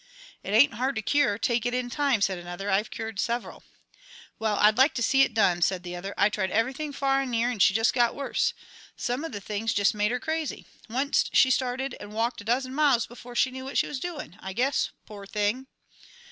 "It ain't hard to cure; take it in time," said another. "I've cured several." "Well, I'd like to see it done," said the other. "I tried everything far and near, 'nd she jest got worse. Some of the things jest made her crazy. Onct she started and walked a dozen miles before she knew what she was doin', I guess, poor thing!"